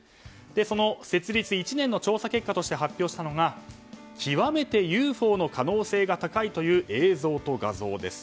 その設立１年の調査結果として発表したのが極めてＵＦＯの可能性が高いという映像と画像です。